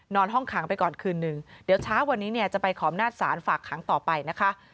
นอนห้องขังไปก่อนคืนหนึ่งเดี๋ยวช้าวันนี้จะไปขอบหน้าสารฝากขังต่อไปนะคะ